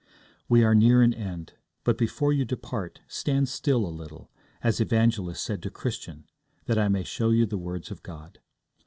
We are near an end, but before you depart, stand still a little, as Evangelist said to Christian, that I may show you the words of God.